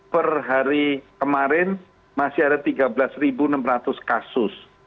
per hari kemarin masih ada tiga belas enam ratus kasus